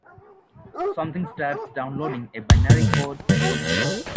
Something starts downloading: a binary code string.